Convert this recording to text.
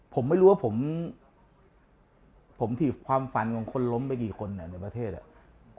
ผมไม่รู้ว่าผมถีบความฝันของคนล้มไปกี่คนไหนในประเทศอ่ะ